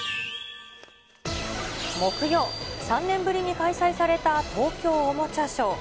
木曜、３年ぶりに開催された東京おもちゃショー。